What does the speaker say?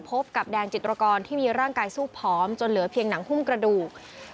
พบกับแดงจิตรกรที่มีร่างกายสู้ผอมจนเหลือเพียงหนังหุ้มกระดูก